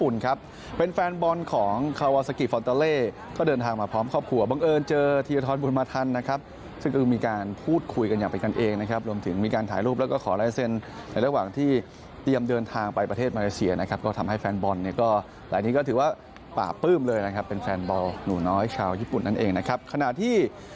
แล้วก็สามารถเราชนะได้